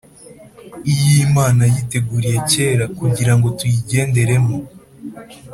iy’Imana yiteguriye cyera, kugirango tuyigenderemo.